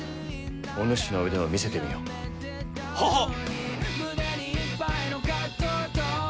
お主の腕を見せてみよ。ははっ！